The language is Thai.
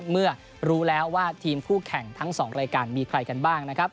เมื่อรู้แล้วว่าทีมคู่แข่งทั้ง๒รายการมีใครกันบ้างนะครับ